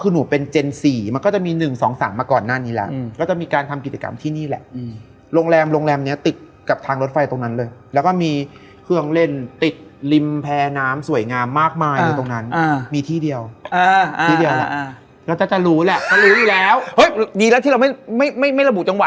หนูจะฟันทงได้เลยว่า